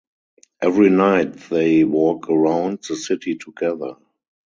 Every night they walk around the city together.